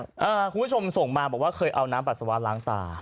คุณผู้ชมส่งมาบอกว่าเคยเอาน้ำปัสสาวะล้างตา